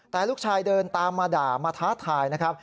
แต่ลูกชายเดินตามมาด่ามาท้าทายนะครับ